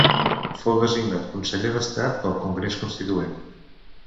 Fou designat conseller d'Estat pel Congrés Constituent.